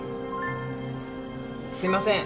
すいません。